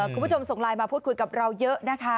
คุณผู้ชมส่งไลน์มาพูดคุยกับเราเยอะนะคะ